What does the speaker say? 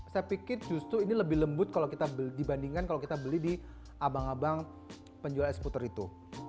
saya pikir justru ini lebih lembut kalau kita dibandingkan kalau kita beli di abang abang penjual es puter itu